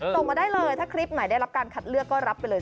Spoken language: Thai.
ส่งมาได้เลยถ้าคลิปไหนได้รับการคัดเลือกก็รับไปเลย